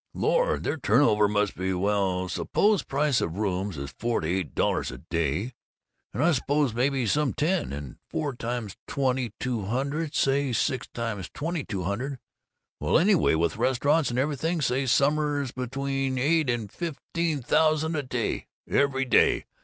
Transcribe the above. Lord, their turnover must be well, suppose price of rooms is four to eight dollars a day, and I suppose maybe some ten and four times twenty two hundred say six times twenty two hundred well, anyway, with restaurants and everything, say summers between eight and fifteen thousand a day. Every day!